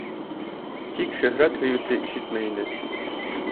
Тик шөһрәт һөйөүсе ишетмәй ине.